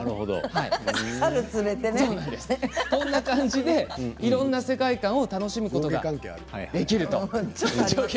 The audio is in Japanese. こんな感じでいろいろな世界観を楽しむことができます。